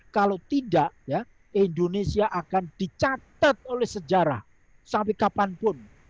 kalau tidak indonesia akan dicatat oleh sejarah sampai kapanpun